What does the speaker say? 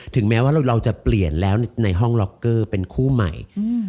แม้ว่าเราจะเปลี่ยนแล้วในห้องล็อกเกอร์เป็นคู่ใหม่